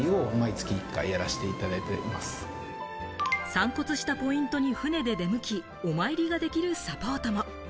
散骨したポイントに船で出向き、お参りができるサポートも。